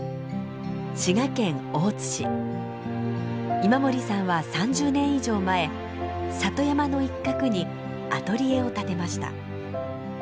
今森さんは３０年以上前里山の一角にアトリエを建てました。